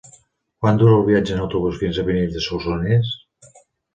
Quant dura el viatge en autobús fins a Pinell de Solsonès?